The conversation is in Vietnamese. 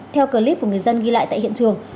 theo clip của người dân ghi lại tại hiện trường